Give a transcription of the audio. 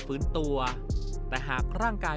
ฟื้นตัวแต่หากร่างกาย